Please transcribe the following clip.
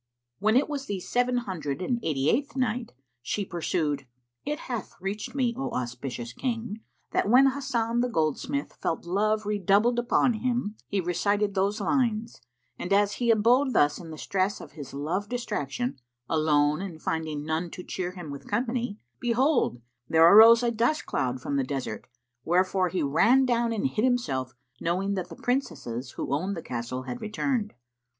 When it was the Seven Hundred and Eighty eighth Night, She pursued, It hath reached me, O auspicious King, that when Hasan the goldsmith felt love redouble upon him, he recited those lines; and, as he abode thus in the stress of his love distraction, alone and finding none to cheer him with company, behold, there arose a dust cloud from the desert, wherefore he ran down and hid himself knowing that the Princesses who owned the castle had returned.